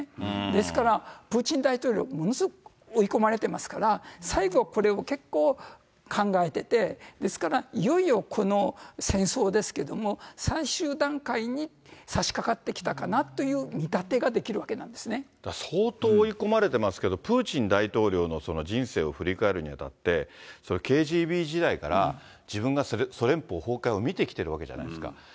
ですから、プーチン大統領、ものすごく追い込まれてますから、最後は、これを結構、考えてて、ですからいよいよこれを戦争ですけれども、最終段階にさしかかってきたかなという見立てができるわけなんで相当追い込まれてますけど、プーチン大統領の人生を振り返るにあたって、ＫＧＢ時代から自分がソ連邦崩壊を見てきているわけじゃないですか。